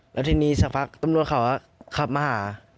แล้วทีนี้สักพักตำรวจเขาก็ขับมาหา